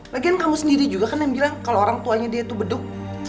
lagian kamu sendiri juga kan yang bilang kalo orang tuanya dia beduk